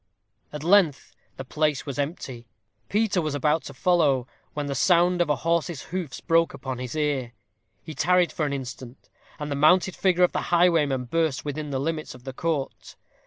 At length the place was empty. Peter was about to follow, when the sound of a horse's hoofs broke upon his ear. He tarried for an instant, and the mounted figure of the highwayman burst within the limits of the court.